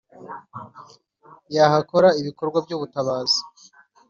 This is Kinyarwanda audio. yahakora ibikorwa cy'ubutabazi.